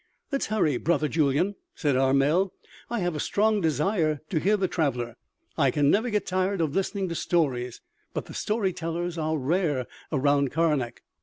"Let's hurry, brother Julyan," said Armel; "I have a strong desire to hear the traveler. I can never get tired of listening to stories, but the story tellers are rare around Karnak."